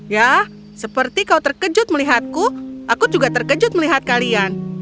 ya seperti kau terkejut melihatku aku juga terkejut melihat kalian